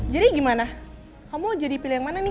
jadi gimana kamu jadi pilih yang mana nih